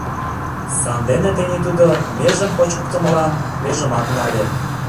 Сандене тений тудо межым почкыктымылан межымак нале.